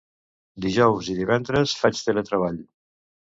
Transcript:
Dijous i divendres faig teletreball.